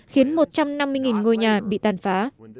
khiến một trăm năm mươi ngôi nhà bị tàn phá